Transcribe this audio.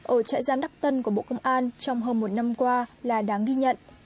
ở trại giam đắc tân của bộ công an trong hơn một năm qua là đáng ghi nhận